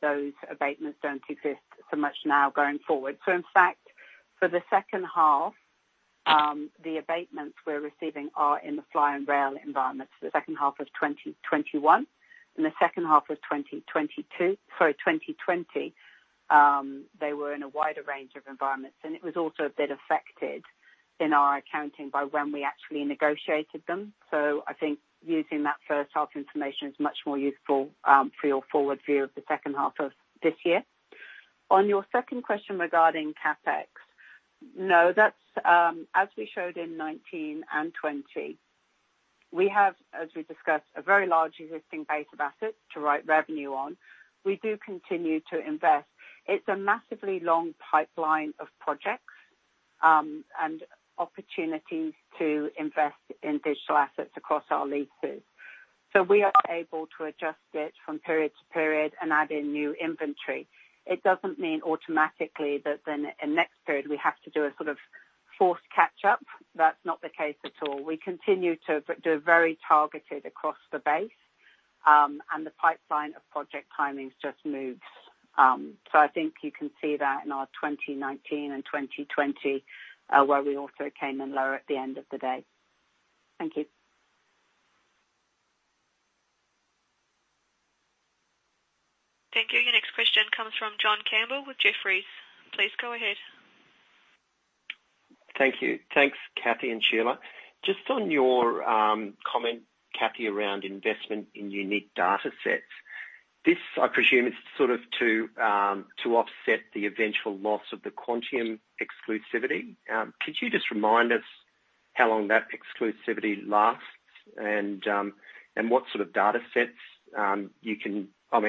those abatements don't exist so much now going forward. In fact, for the second half, the abatements we're receiving are in the fly and rail environments for the second half of 2021. In the second half of 2020, they were in a wider range of environments, and it was also a bit affected in our accounting by when we actually negotiated them. I think using that first-half information is much more useful for your forward view of the second half of this year. On your second question regarding CapEx, no. As we showed in 2019 and 2020, we have, as we discussed, a very large existing base of assets to write revenue on. We do continue to invest. It's a massively long pipeline of projects and opportunities to invest in digital assets across our leases. We are able to adjust it from period to period and add in new inventory. It doesn't mean automatically that then in the next period, we have to do a sort of forced catch-up. That's not the case at all. We continue to do it very targeted across the base, and the pipeline of project timings just moves. I think you can see that in our 2019 and 2020, where we also came in lower at the end of the day. Thank you. Thank you. Your next question comes from John Campbell with Jefferies. Please go ahead. Thank you. Thanks, Cathy and Sheila. Just on your comment, Cathy, around investment in unique data sets, this, I presume, is sort of to offset the eventual loss of the Quantium exclusivity. Could you just remind us how long that exclusivity lasts and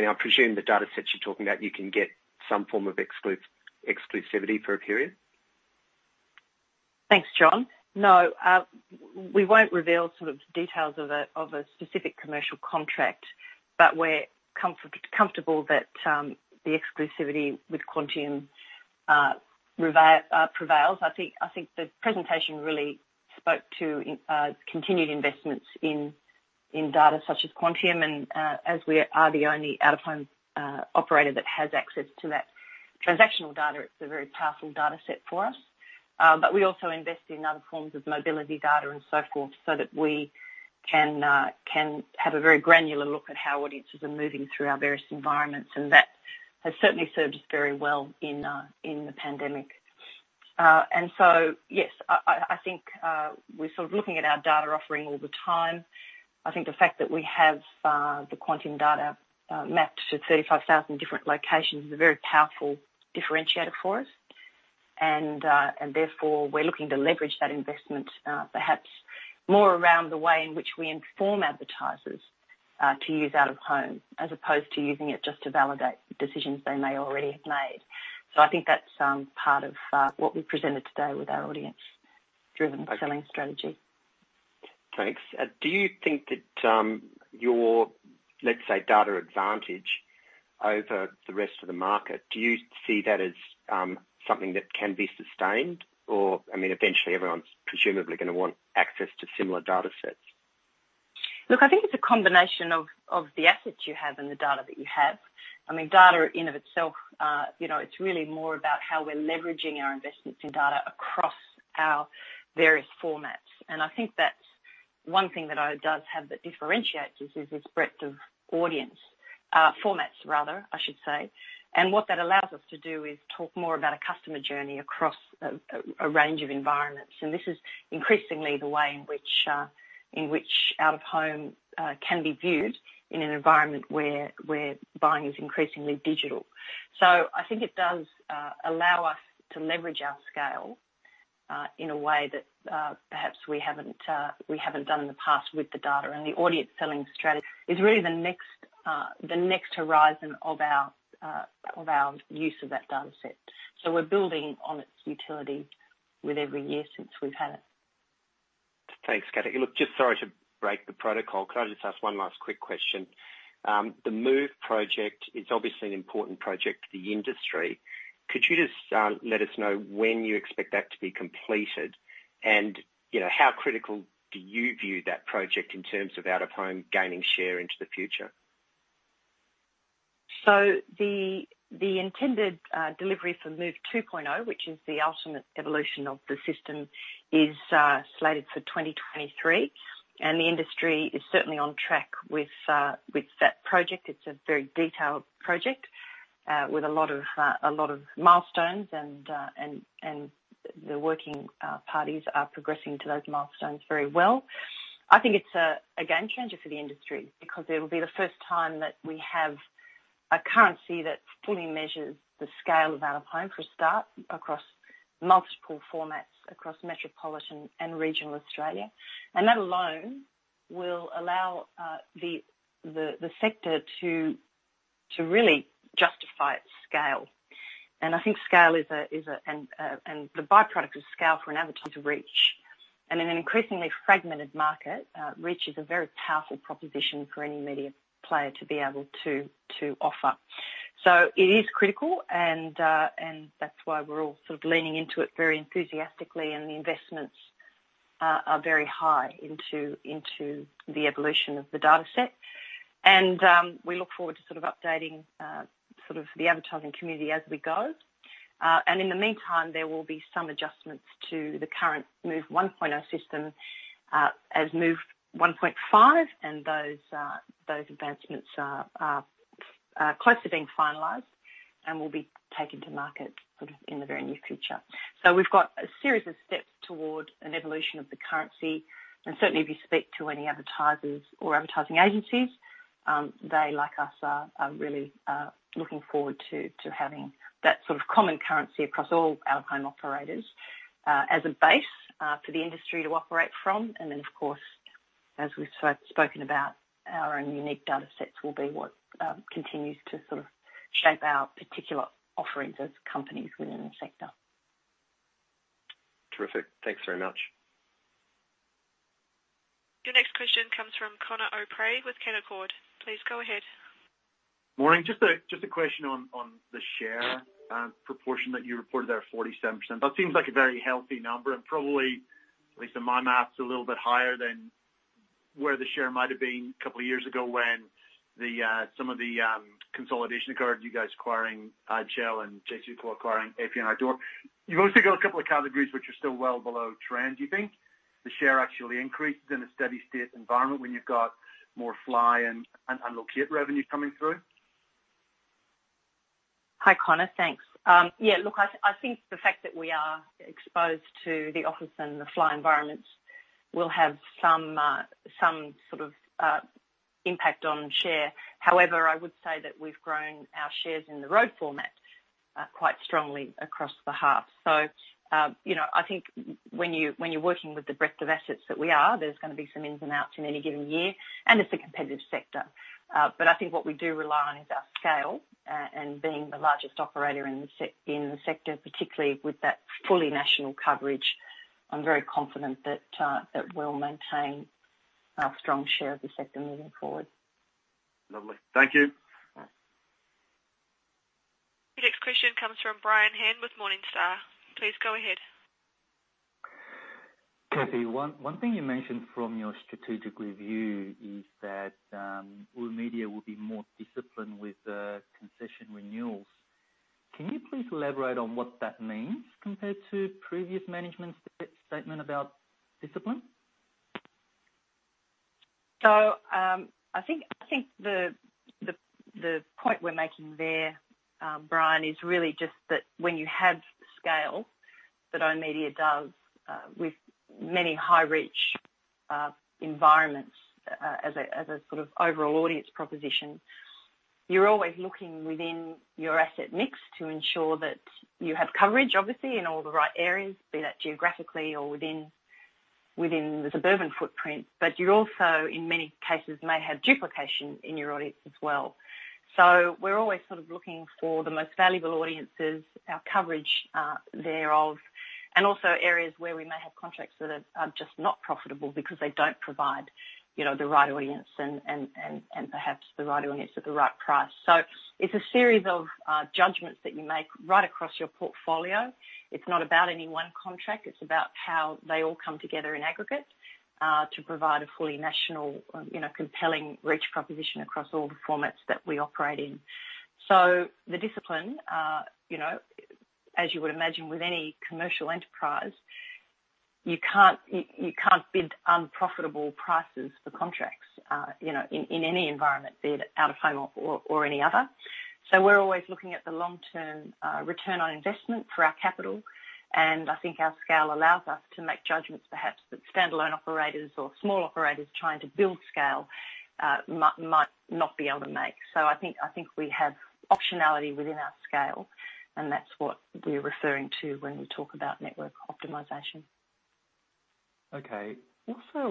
I presume the data sets you're talking about, you can get some form of exclusivity for a period? Thanks, John. No, we won't reveal sort of details of a specific commercial contract, but we're comfortable that the exclusivity with Quantium prevails. I think the presentation really spoke to continued investments in data such as Quantium, and as we are the only out-of-home operator that has access to that transactional data, it's a very powerful data set for us. We also invest in other forms of mobility data and so forth so that we can have a very granular look at how audiences are moving through our various environments, and that has certainly served us very well in the pandemic. Yes. I think we're sort of looking at our data offering all the time. I think the fact that we have the Quantium data mapped to 35,000 different locations is a very powerful differentiator for us, and therefore, we're looking to leverage that investment perhaps more around the way in which we inform advertisers to use out-of-home, as opposed to using it just to validate decisions they may already have made. I think that's part of what we presented today with our audience-driven selling strategy. Thanks. Do you think that your, let's say, data advantage over the rest of the market, do you see that as something that can be sustained? Eventually, everyone's presumably going to want access to similar data sets. Look, I think it's a combination of the assets you have and the data that you have. Data in of itself, it's really more about how we're leveraging our investments in data across our various formats. I think that one thing that does have that differentiates us is its breadth of audience. Formats rather, I should say. What that allows us to do is talk more about a customer journey across a range of environments. This is increasingly the way in which Out of Home can be viewed in an environment where buying is increasingly digital. I think it does allow us to leverage our scale in a way that perhaps we haven't done in the past with the data, and the audience selling strategy is really the next horizon of our use of that data set. We're building on its utility with every year since we've had it. Thanks, Cathy. Look, just sorry to break the protocol. Could I just ask one last quick question? The MOVE project is obviously an important project to the industry. Could you just let us know when you expect that to be completed? How critical do you view that project in terms of out-of-home gaining share into the future? The intended delivery for MOVE 2.0, which is the ultimate evolution of the system, is slated for 2023, and the industry is certainly on track with that project. It's a very detailed project with a lot of milestones, and the working parties are progressing to those milestones very well. I think it's a game changer for the industry because it'll be the first time that we have a currency that fully measures the scale of out-of-home for a start across multiple formats across metropolitan and regional Australia. That alone will allow the sector to really justify its scale. I think the by-product of scale for an advertiser is reach. In an increasingly fragmented market, reach is a very powerful proposition for any media player to be able to offer. It is critical, and that's why we're all sort of leaning into it very enthusiastically, and the investments are very high into the evolution of the data set. We look forward to updating the advertising community as we go. In the meantime, there will be some adjustments to the current MOVE 1.0 system as MOVE 1.5, and those advancements are close to being finalized and will be taken to market in the very near future. We've got a series of steps toward an evolution of the currency, and certainly if you speak to any advertisers or advertising agencies, they, like us, are really looking forward to having that common currency across all out-of-home operators as a base for the industry to operate from. Of course, as we've spoken about, our own unique data sets will be what continues to shape our particular offerings as companies within the sector. Terrific. Thanks very much. Your next question comes from Conor O'Prey with Canaccord. Please go ahead. Morning. Just a question on the share proportion that you reported there, 47%. That seems like a very healthy number and probably, at least in my math, a little bit higher than where the share might've been a couple of years ago when some of the consolidation occurred, you guys acquiring Adshel and JCDecaux acquiring APN Outdoor. You've also got a couple of categories which are still well below trend. Do you think the share actually increases in a steady state environment when you've got more fly and locate revenue coming through? Hi, Conor. Thanks. Yeah, look, I think the fact that we are exposed to the office and the fly environments will have some sort of impact on share. However, I would say that we've grown our shares in the road format quite strongly across the half. I think when you're working with the breadth of assets that we are, there's going to be some ins and outs in any given year, and it's a competitive sector. I think what we do rely on is our scale, and being the largest operator in the sector, particularly with that fully national coverage. I'm very confident that we'll maintain our strong share of the sector moving forward. Lovely. Thank you. The next question comes from Brian Han with Morningstar. Please go ahead. Cathy, one thing you mentioned from your strategic review is that oOh!media will be more disciplined with concession renewals. Can you please elaborate on what that means compared to previous management's statement about discipline? I think the point we're making there, Brian, is really just that when you have scale that oOh!media does with many high-reach environments as a sort of overall audience proposition, you're always looking within your asset mix to ensure that you have coverage, obviously, in all the right areas, be that geographically or within the suburban footprint. You also, in many cases, may have duplication in your audience as well. We're always looking for the most valuable audiences, our coverage thereof, and also areas where we may have contracts that are just not profitable because they don't provide the right audience and perhaps the right audience at the right price. It's a series of judgments that you make right across your portfolio. It's not about any one contract. It's about how they all come together in aggregate to provide a fully national compelling reach proposition across all the formats that we operate in. The discipline, as you would imagine with any commercial enterprise, you can't bid unprofitable prices for contracts in any environment, be it out of home or any other. We're always looking at the long-term return on investment for our capital, and I think our scale allows us to make judgments perhaps that standalone operators or small operators trying to build scale might not be able to make. I think we have optionality within our scale, and that's what we're referring to when we talk about network optimization. Okay. Also,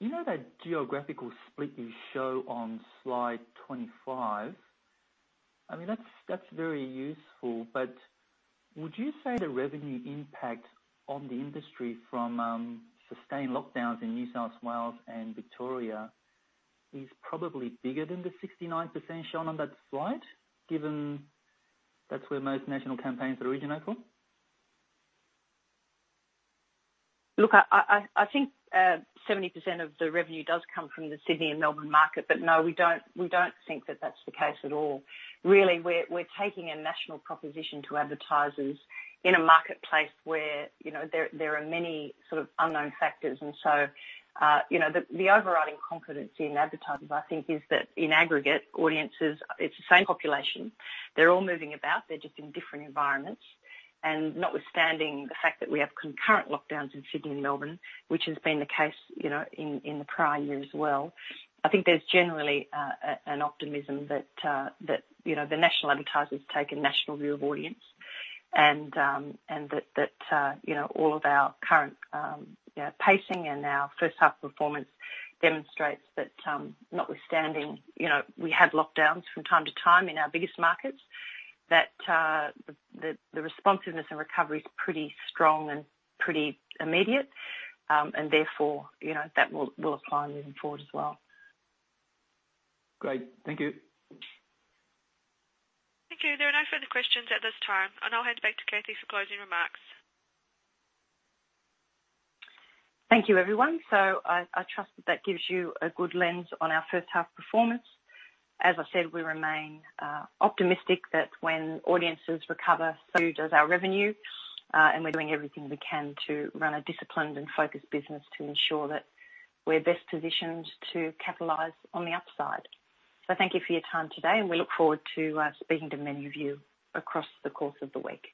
you know that geographical split you show on slide 25? I mean, that's very useful. Would you say the revenue impact on the industry from sustained lockdowns in New South Wales and Victoria is probably bigger than the 69% shown on that slide, given that's where most national campaigns originate from? Look, I think 70% of the revenue does come from the Sydney and Melbourne market. No, we don't think that that's the case at all. Really, we're taking a national proposition to advertisers in a marketplace where there are many unknown factors, the overriding confidence in advertisers, I think, is that in aggregate audiences, it's the same population. They're all moving about. They're just in different environments. Notwithstanding the fact that we have concurrent lockdowns in Sydney and Melbourne, which has been the case in the prior year as well, I think there's generally an optimism that the national advertisers take a national view of audience and that all of our current pacing and our first half performance demonstrates that notwithstanding we had lockdowns from time to time in our biggest markets, that the responsiveness and recovery is pretty strong and pretty immediate. Therefore, that will apply moving forward as well. Great. Thank you. Thank you. There are no further questions at this time. I'll hand it back to Cathy for closing remarks. Thank you, everyone. I trust that that gives you a good lens on our first half performance. As I said, we remain optimistic that when audiences recover, so does our revenue, and we're doing everything we can to run a disciplined and focused business to ensure that we're best positioned to capitalize on the upside. Thank you for your time today, and we look forward to speaking to many of you across the course of the week.